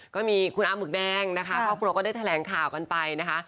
ก็มีคุณอาหมึกแดงนะคะครอบครัวก็ได้แถลงข่าวกันไปนะคะ